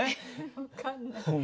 分かんない。